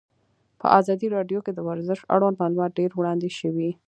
په ازادي راډیو کې د ورزش اړوند معلومات ډېر وړاندې شوي.